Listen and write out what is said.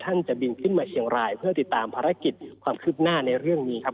จะบินขึ้นมาเชียงรายเพื่อติดตามภารกิจความคืบหน้าในเรื่องนี้ครับ